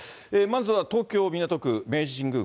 まずは東京・港区、明治神宮